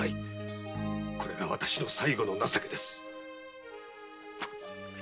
これが私の最後の情けです！